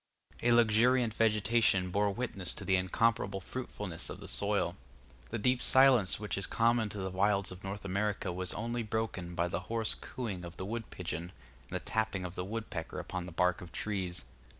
A luxuriant vegetation bore witness to the incomparable fruitfulness of the soil. The deep silence which is common to the wilds of North America was only broken by the hoarse cooing of the wood pigeon, and the tapping of the woodpecker upon the bark of trees.